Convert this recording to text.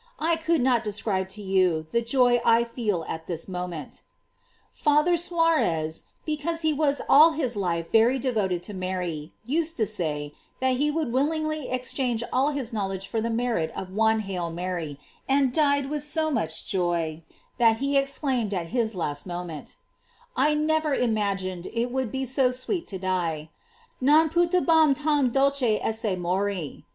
I could not describe to you the joy I feel at this moment."f Father Suarez, because he was all his life very devoted to Mary, used to say, that he would willingly ex change all his knowledge for the merit of one Hail Mary, and died with so much joy, that he exclaimed at his last moment, "I never imagined it would be so sweet to die, — non putabam tarn dulce esse mori."